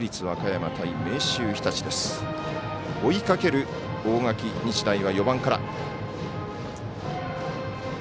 追いかける大垣日大は４番から。